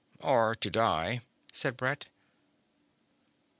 "Or to die," said Brett.